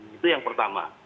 itu yang pertama